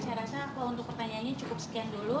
saya rasa kalau untuk pertanyaannya cukup sekian dulu